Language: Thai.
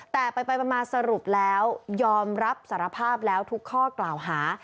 แต่ไปมาสรุปแล้วยอมรับสารภาพแล้วทุกข้อกล่าวหา